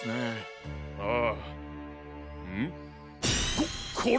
ここれは！